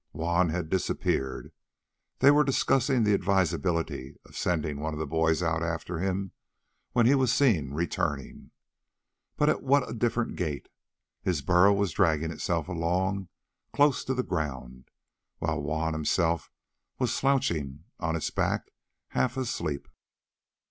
Juan had disappeared. They were discussing the advisability of sending one of the boys out after him when he was seen returning. But at what a different gait! His burro was dragging itself along with nose to the ground, while Juan himself was slouching on its back half asleep.